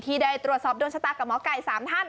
ได้ตรวจสอบโดนชะตากับหมอไก่๓ท่าน